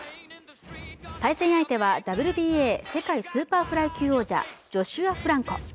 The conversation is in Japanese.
対戦相手はＷＢＡ世界スーパーフライ級王者、ジョシュア・フランコ。